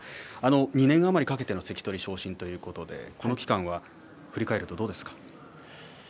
２年余りかけての関取昇進ということでこの期間は振り返るとどうですか？